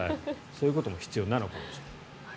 そういうことも必要なのかもしれない。